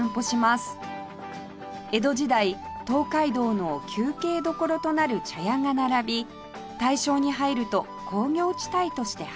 江戸時代東海道の休憩処となる茶屋が並び大正に入ると工業地帯として発展